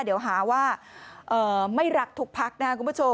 เดี๋ยวหาว่าไม่รักถุกพลักษณ์นะคุณผู้ชม